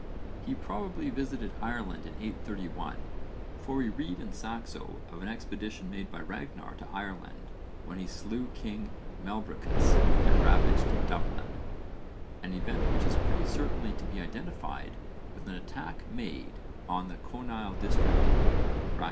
He probably visited Ireland in 831, for we read in Saxo of an expedition made by Ragnarr to Ireland when he slew king Melbricus and ravaged Dublin, an event which is pretty certainly to be identified with an attack made on the Conaille district (co.